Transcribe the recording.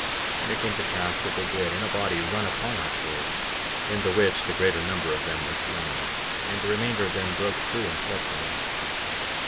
And it came to pass that they did in a body run upon our swords, in the which, the greater number of them were slain; and the remainder of them broke through and fled from us.